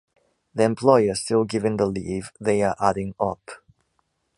The employer still giving the leave, they are adding up.